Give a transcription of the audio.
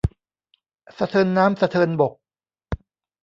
สะเทินน้ำสะเทินบก